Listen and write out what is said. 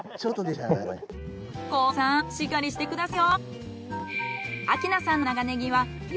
ＫＯＯさんしっかりしてくださいよ。